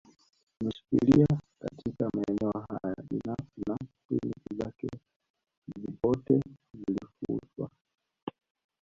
Imeshikilia katika maeneo haya binafsi na kliniki zake zpote zilifutwa